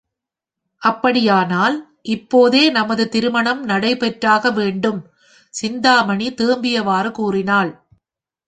அப்படியானால், இப்போதே நமது திருமணம் நடை பெற்றாக வேண்டும்! சிந்தாமணி தேம்பியவாறு கூறினாள்.